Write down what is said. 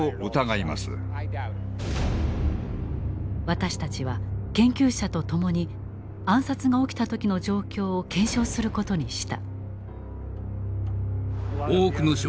私たちは研究者と共に暗殺が起きた時の状況を検証することにした。